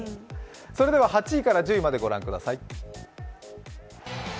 それでは８位から１０位までご覧ください。